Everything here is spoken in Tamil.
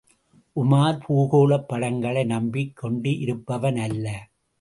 உமார் பூகோளப் படங்களை நம்பிக் கொண்டிருப்பவனல்ல.